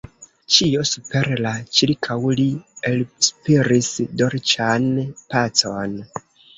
Ĉio super kaj ĉirkaŭ li elspiris dolĉan pacon.